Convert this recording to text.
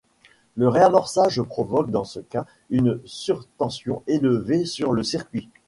Le réamorçage provoque dans ce cas une surtension élevée sur le circuit.